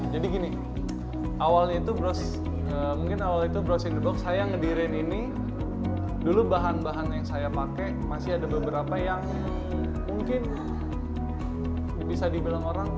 jadi gini awalnya itu mungkin awalnya itu saya ngedirin ini dulu bahan bahan yang saya pakai masih ada beberapa yang mungkin bisa dibilang orang